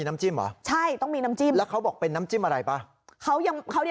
นี่จะโดยฉันเห็นผ่านตาเนี่ย